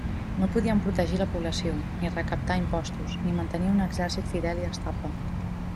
No podien protegir la població, ni recaptar imposts, ni mantenir un exercit fidel i estable.